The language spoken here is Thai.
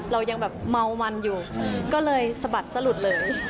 เรายังแบบเมามันอยู่ก็เลยสะบัดสะหลุดเลย